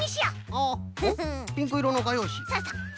ピンクいろのがようし。